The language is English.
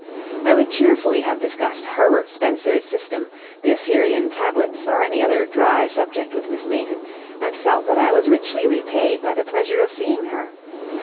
I would cheerfully have discussed Herbert Spencer's system, the Assyrian Tablets, or any other dry subject with Miss Mayton, and felt that I was richly repaid by the pleasure of seeing her.